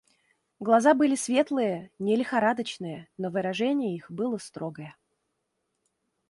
Глаза были светлые, не лихорадочные, но выражение их было строгое.